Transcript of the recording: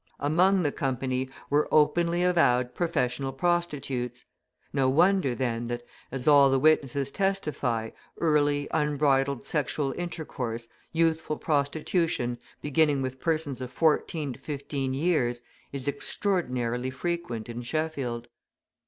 Among the company were openly avowed professional prostitutes. No wonder, then, that, as all the witnesses testify, early, unbridled sexual intercourse, youthful prostitution, beginning with persons of fourteen to fifteen years, is extraordinarily frequent in Sheffield.